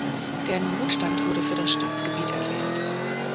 Der Notstand wurde für das Staatsgebiet erklärt.